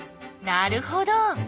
なるほど！